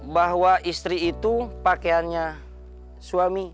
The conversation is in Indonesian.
bahwa istri itu pakaiannya suami